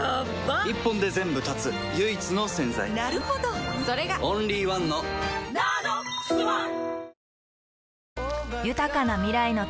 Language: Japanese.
一本で全部断つ唯一の洗剤なるほどそれがオンリーワンの「ＮＡＮＯＸｏｎｅ」